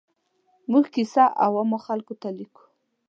موږ کیسه عوامو خلکو ته لیکو.